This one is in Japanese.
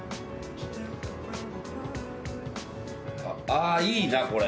ああいいなこれ。